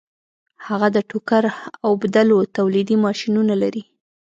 هغه د ټوکر اوبدلو تولیدي ماشینونه لري